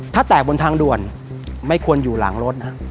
ถ้าแตกบนทางด่วนไม่ควรอยู่หลังรถนะ